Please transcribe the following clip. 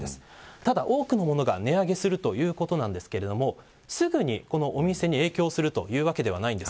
ただ多くの物が値上げするということですがすぐにお店に影響するというわけではないんです。